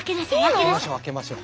開けましょう開けましょう。